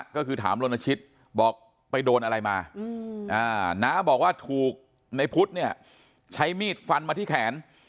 ก็คือถามลนชิตบอกไปโดนอะไรมาน้าบอกว่าถูกในพุทธเนี่ยใช้มีดฟันมาที่แขน